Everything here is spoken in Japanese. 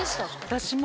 私も。